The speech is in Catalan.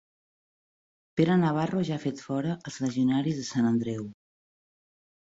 Pere Navarro ja ha fet fora els legionaris de Sant Andreu